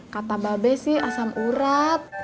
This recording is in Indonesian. kata babe sih asam urat